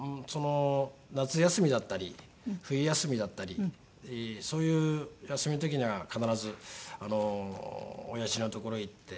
夏休みだったり冬休みだったりそういう休みの時には必ずおやじの所へ行って。